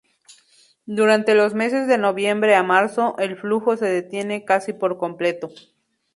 Durante los meses de noviembre a marzo, el flujo se detiene casi por completo.